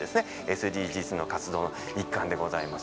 ＳＤＧｓの活動の一環でございます。